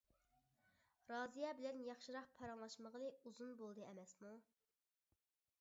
رازىيە بىلەن ياخشىراق پاراڭلاشمىغىلى ئۇزۇن بولدى ئەمەسمۇ.